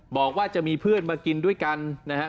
บอกว่าจะมีเพื่อนมากินด้วยกันนะฮะ